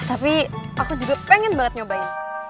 tapi aku juga pengen banget nyobain